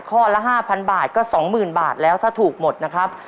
ข้อละ๕๐๐บาทก็๒๐๐๐บาทแล้วถ้าถูกหมดนะครับ